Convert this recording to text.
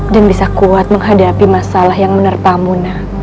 dan bisa kuat menghadapi masalah yang menerpamu nak